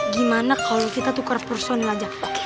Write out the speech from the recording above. gimana kalau kita tukar personil aja